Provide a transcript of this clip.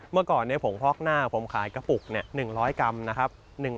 เมื่อก่อนเนี่ยผมพอกหน้าผมขายกระปุกเนี่ย๑๐๐กรัมนะครับ